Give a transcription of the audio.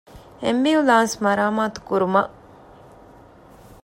އެމްބިއުލާންސް މަރާމާތުކުރުމަށް